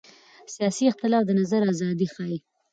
سیاسي اختلاف د نظر ازادي ښيي